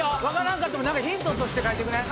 んかっても何かヒントとして書いてくね。